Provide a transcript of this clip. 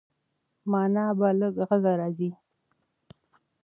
مانا به له غږه راځي.